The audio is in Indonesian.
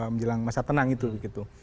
menjelang masa tenang itu